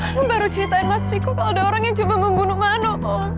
aku baru ceritain mas riko kalau ada orang yang coba membunuh mano